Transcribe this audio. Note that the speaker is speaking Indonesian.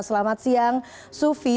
selamat siang sufi